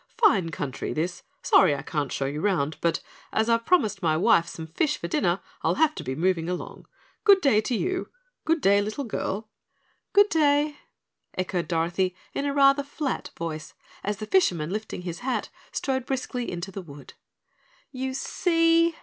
"Fine country, this; sorry I can't show you 'round, but as I've promised my wife some fish for dinner, I'll have to be moving along. Good day to you. Good day, little girl!" "Good day," echoed Dorothy in a rather flat voice, as the fisherman, lifting his hat, strode briskly into the wood. "You see!"